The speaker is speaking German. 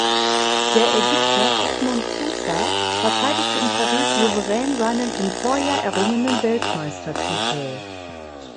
Der Ägypter Edmond Soussa verteidigte in Paris souverän seinen im Vorjahr errungenen Weltmeistertitel.